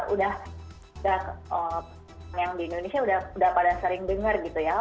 udah yang di indonesia udah pada sering dengar gitu ya